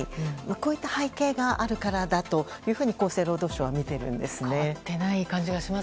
こういった背景があるからだと厚生労働省は見ているんですね。